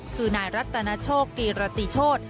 คือนายรัฐนาโชกรีราจิโชธ